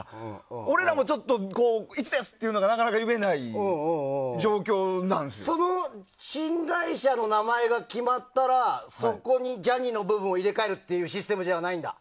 俺らもちょっといつですっていうのがその新会社の名前が決まったらそこにジャニの部分を入れ替えるシステムじゃないんだ？